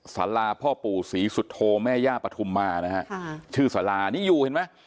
สาราพ่อปู่ศรีสุโธแม่ย่าปฐุมมานะฮะชื่อสารานี่อยู่เห็นไหม